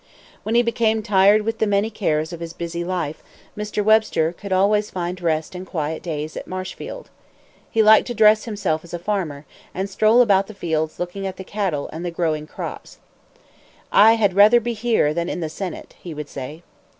When he became tired with the many cares of his busy life, Mr. Webster could always find rest and quiet days at Marshfield. He liked to dress himself as a farmer, and stroll about the fields looking at the cattle and at the growing crops. "I had rather be here than in the senate," he would say.